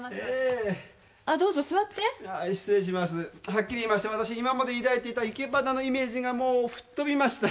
はっきり言いましてわたし今まで抱いていた生け花のイメージがもう吹っ飛びました。